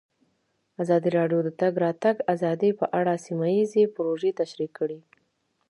ازادي راډیو د د تګ راتګ ازادي په اړه سیمه ییزې پروژې تشریح کړې.